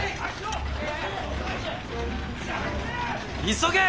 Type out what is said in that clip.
急げ！